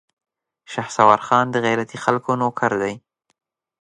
شهسوار خان د غيرتي خلکو نوکر دی.